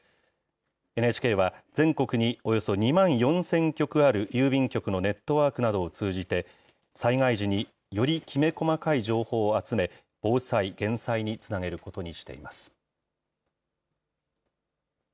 ＮＨＫは、全国におよそ２万４０００局ある郵便局のネットワークなどを通じて、災害時によりきめ細かい情報を集め、防災・減災につなげることにしています。